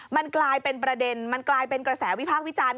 มันกลายเป็นประเด็นมันกลายเป็นกระแสวิพากษ์วิจารณ์